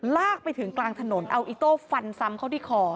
ลากไปถึงกลางถนนเอาอิโต้ฟันซ้ำเข้าที่คอ